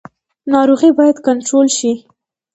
ناروغي باید کنټرول شي